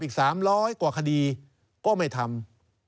อีก๓๐๐กว่าคดีก็ไม่ทำ